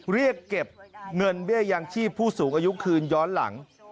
เรียกเก็บเงินเบี้ยยังชีพผู้สูงอายุคืนย้อนหลัง